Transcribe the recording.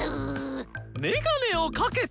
メガネをかけた。